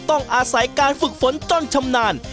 ต้องอาศัยการฝึกฝนจนชำนาญ